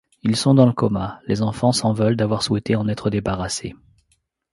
Ils sont dans le coma, les enfants s'en veulent d'avoir souhaité en être débarrassés.